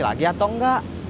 lagi atau enggak